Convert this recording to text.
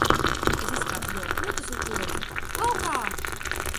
Es izkāpu no gultas un kliedzu – laukā!